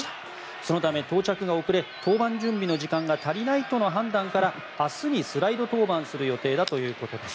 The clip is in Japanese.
そのため、到着が遅れ登板準備の時間が足りないとの判断から明日にスライド登板する予定だということです。